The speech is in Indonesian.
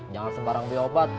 jangan sembarang biobat